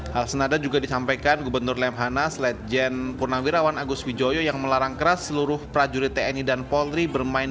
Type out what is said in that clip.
hal senada juga disampaikan gubernur lemhanas ledjen purnawirawan agus wijoyo yang melarang keras seluruh prajurit tni dan polri bermain